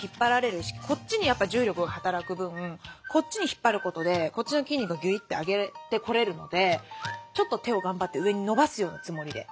こっちに重力が働く分こっちに引っ張ることでこっちの筋肉がグイッと上げてこれるのでちょっと手を頑張って上に伸ばすようなつもりで。